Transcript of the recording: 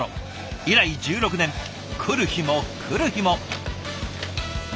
以来１６年来る日も来る日も。